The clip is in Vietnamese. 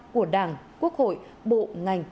của đảng quốc hội bộ ngành